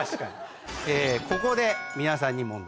ここで皆さんに。